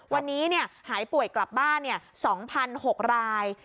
วันนี้หายป่วยกลับบ้าน๒๖ราย